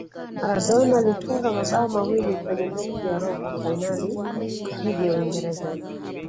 maradona alifunga mabao mawili Kwenye mechi ya robo fainali dhidi ya uingereza